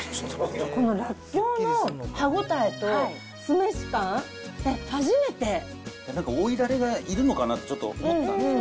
このらっきょうの歯応えと、なんか、追いだれがいるのかなってちょっと思ったんですよ。